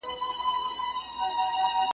پر دوو پښو راته ولاړ یې سم سړی یې .